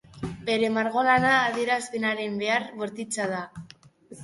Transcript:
Bere margolana adierazpenaren behar bortitza da.